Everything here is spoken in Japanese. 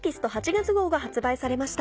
月号が発売されました。